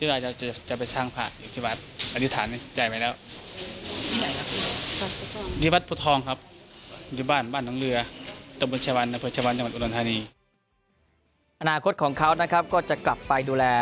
อนาคตของเขานะครับก็จะกลับไปดูแล